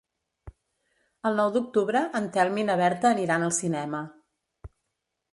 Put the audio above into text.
El nou d'octubre en Telm i na Berta aniran al cinema.